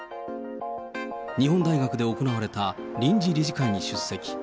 日本大学で行われた臨時理事会に出席。